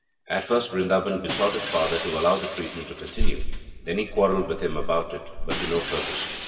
At first Brindaban besought his father to allow the treatment to continue; then he quarrelled with him about it, but to no purpose.